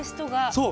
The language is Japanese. そう。